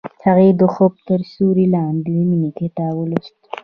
هغې د خوب تر سیوري لاندې د مینې کتاب ولوست.